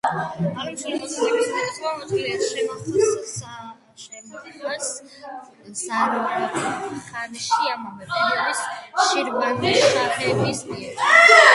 აღნიშნული მონეტების უმეტესობა მოჭრილია შემახას ზარაფხანაში ამავე პერიოდის შირვანშაჰების მიერ.